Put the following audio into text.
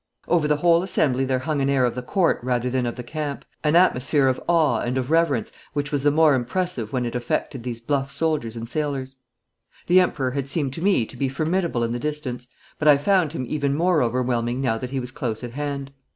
Over the whole assembly there hung an air of the Court rather than of the camp, an atmosphere of awe and of reverence which was the more impressive when it affected these bluff soldiers and sailors. The Emperor had seemed to me to be formidable in the distance, but I found him even more overwhelming now that he was close at hand.